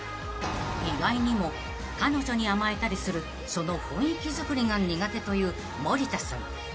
［意外にも彼女に甘えたりするその雰囲気づくりが苦手という森田さん］